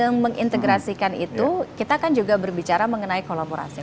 yang mengintegrasikan itu kita kan juga berbicara mengenai kolaborasi